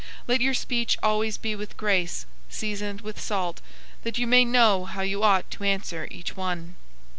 004:006 Let your speech always be with grace, seasoned with salt, that you may know how you ought to answer each one.